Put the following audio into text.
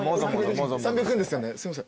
３００円ですよねすいません。